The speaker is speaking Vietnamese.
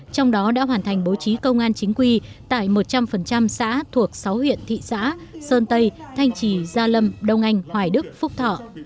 trong đó đã hoàn thành bố trí công an chính quy tại một trăm linh xã thuộc sáu huyện thị xã sơn tây thanh trì gia lâm đông anh hoài đức phúc thọ